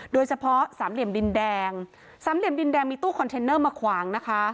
โดยเฉพาะสามเหลี่ยมดินแดงสามเหลี่ยมดินแดงมีตู้คอนเทนเนอร์มาขวางนะคะ